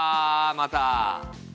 また。